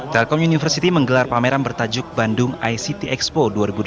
telkom university menggelar pameran bertajuk bandung ict expo dua ribu delapan belas